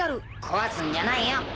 壊すんじゃないよ。